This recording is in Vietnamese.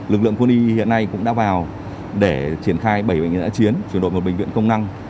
lực lượng quân y hiện nay cũng đã vào để triển khai bảy bệnh nhân đã chiến trường đội một bệnh viện công năng